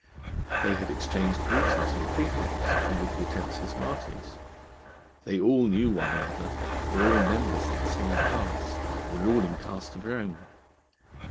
They had exchanged greetings with the praefect and with Hortensius Martius. They all knew one another, were all members of the same caste, the ruling caste of Rome.